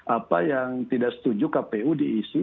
apa yang tidak setuju kpu diisi